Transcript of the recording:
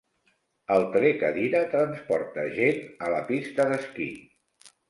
El telecadira transporta gent a la pista d'esquí.